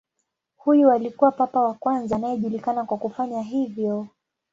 Huyu alikuwa papa wa kwanza anayejulikana kwa kufanya hivyo.